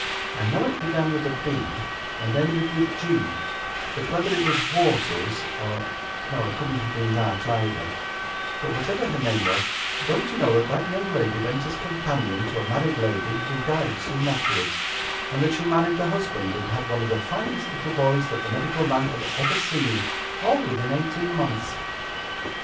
I know it began with a B, and ended with g, but whether it was Waters or no, it couldn't have been that, either; but whatever her name was, don't you know that that young lady went as companion to a married lady who died soon afterwards, and that she married the husband, and had one of the finest little boys that the medical man had ever seen all within eighteen months?